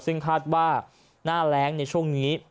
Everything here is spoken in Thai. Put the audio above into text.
ซึ่งคาดว่าหน้าแรงในช่วงนี้